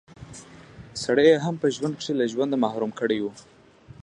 سړی يې هم په ژوند کښې له ژونده محروم کړی وي